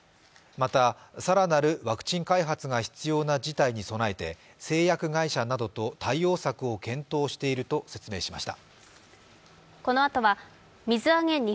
また、さらなるワクチン開発が必要な事態に備えて製薬会社などと対応策を検討していると説明しました。